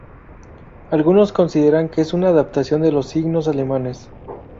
Algunos consideran que es una adaptación de los signos alemanes.